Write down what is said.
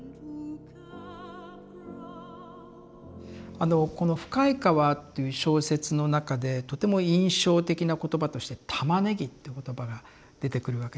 あのこの「深い河」っていう小説の中でとても印象的な言葉として「玉ねぎ」っていう言葉が出てくるわけですね